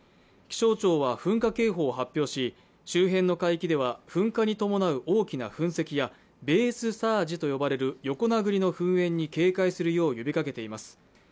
気象庁は噴火警報を発表し周辺の海域では噴火に伴う大きな噴石やベースサージと呼ばれる横なぐりの噴煙に警戒するよう呼びかけています。